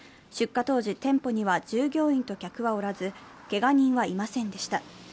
出火当時、店舗には従業員と客はおらずけが人はいませんでした。